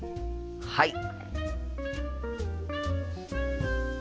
はい。